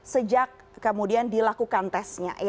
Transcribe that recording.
sejak kemudian dilakukan tes